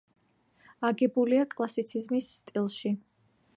აგებულია კლასიციზმის სტილში.